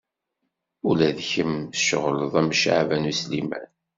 Ula d kemm tceɣleḍ am Caɛban U Sliman.